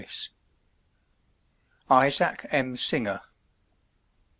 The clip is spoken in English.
ISAAC M. SINGER.